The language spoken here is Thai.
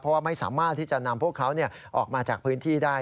เพราะว่าไม่สามารถที่จะนำพวกเขาออกมาจากพื้นที่ได้